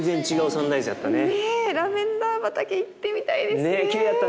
ラベンダー畑行ってみたいですね。